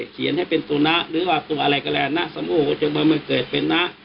เขียนให้เป็นตัวน่ะหรือว่าตัวอะไรก็แหละน่ะสมโหจงเมื่อมันเกิดเป็นน่ะ